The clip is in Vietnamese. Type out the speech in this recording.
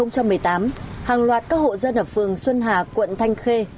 năm hai nghìn một mươi tám hàng loạt các hộ dân ở phường xuân hà quận thanh khê